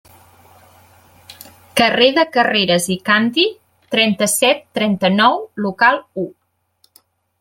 Carrer de Carreres i Candi, trenta-set trenta-nou, local u.